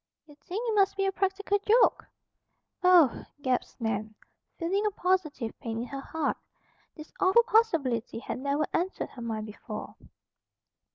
"You think it must be a practical joke." "Oh!" gasped Nan, feeling a positive pain at her heart. This awful possibility had never entered her mind before.